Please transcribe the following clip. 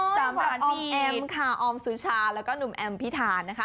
จามออมเอมค่ะออมสุชาแล้วก็หนุ่มเอมพิธาน